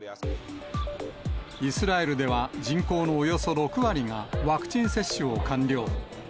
イスラエルでは人口のおよそ６割がワクチン接種を完了。